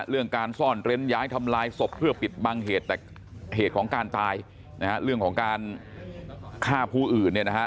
เรื่องการซ่อนเร้นย้ายทำลายศพเพื่อปิดบังเหตุแต่เหตุของการตายนะฮะเรื่องของการฆ่าผู้อื่นเนี่ยนะฮะ